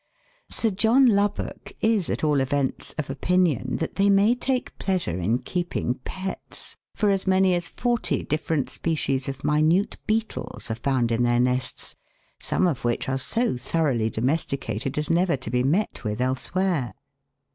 Sir John Lubbock is at all events of opinion that they may take pleasure in keeping pets, for as many as forty different species of minute beetles are found in their nests, some of which are so thoroughly domesticated as never to be met with elsewhere.